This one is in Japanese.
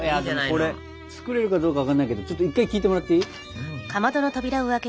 これ作れるかどうか分かんないけどちょっと一回聞いてもらっていい？